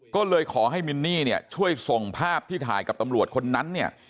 ก็เลยขอให้มินนี่เนี่ยช่วยส่งภาพที่ถ่ายกับตำรวจคนนั้นเนี่ย